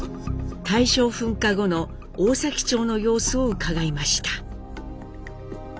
大正噴火後の大崎町の様子を伺いました。